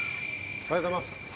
おはようございます。